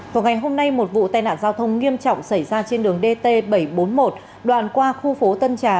vào ngày hôm nay một vụ tai nạn giao thông nghiêm trọng xảy ra trên đường dt bảy trăm bốn mươi một đoạn qua khu phố tân trà